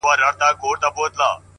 • هر يو سر يې هره خوا وهل زورونه,